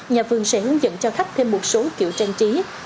nhà vườn sẽ hướng dẫn cho khách thêm một số kiểu trang trí